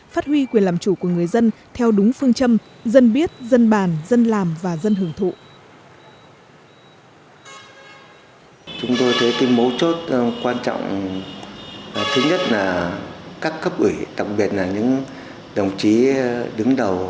phát huy quyền làm chủ của người dân theo đúng phương châm dân biết dân bàn dân làm và dân hưởng thụ